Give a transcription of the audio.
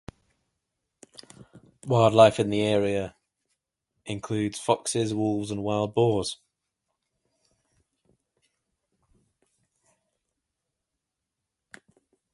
Wildlife in the area includes foxes, wolves, and wild boars.